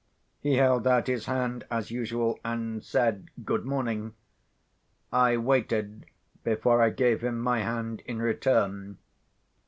He held out his hand, as usual, and said, "Good morning." I waited before I gave him my hand in return.